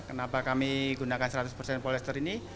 kenapa kami gunakan seratus polyester ini